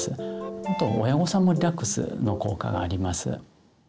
あと親御さんもリラックスの効果があります。